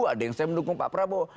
ada yang saya mendukung pak prabowo